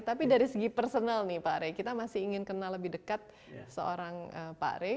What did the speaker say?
tapi dari segi personal nih pak rey kita masih ingin kenal lebih dekat seorang pak rey